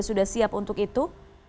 sudah siap untuk itu